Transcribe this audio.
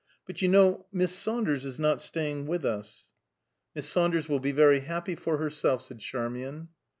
But you know Miss Saunders is not staying with us?" "Miss Saunders will be very happy for herself," said Charmian.